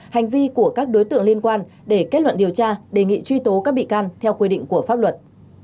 hành vi của các đối tượng liên quan để kết luận điều tra đề nghị truy tố các bị can theo quy định của pháp luật